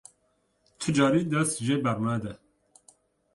Ti carî dest jê bernede.